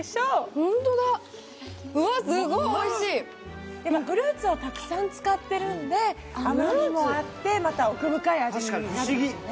ホントだうわすごいおいしいフルーツをたくさん使ってるんで甘みもあってまた奥深い味になるんですよね